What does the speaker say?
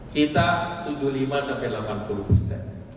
kita tujuh puluh lima sampai delapan puluh persen